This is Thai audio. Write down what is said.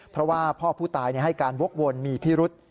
เพราะว่าพ่อผู้ตายให้การวกวนมีพิรุษ